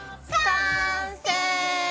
完成！